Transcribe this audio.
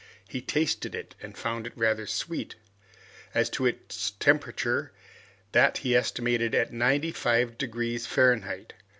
He tasted it and found it rather sweet. As to its temperature, that he estimated at ninety five degrees Fahrenheit.